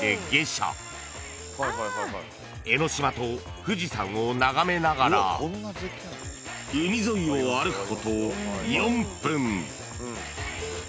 ［江の島と富士山を眺めながら海沿いを歩くこと４分］